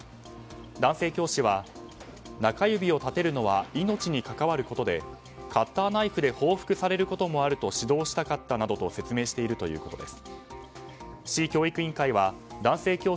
男性教師は中指を立てるのは命に関わることでカッターナイフで報復されることもあると指導したかったなどと説明しているということです。